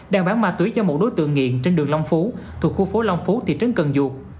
đang bán ma túy cho một đối tượng nghiện trên đường long phú thuộc khu phố long phú thị trấn cần duột